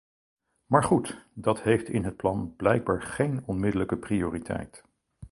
Maar goed, dat heeft in het plan blijkbaar geen onmiddellijke prioriteit.